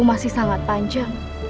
masih sangat panjang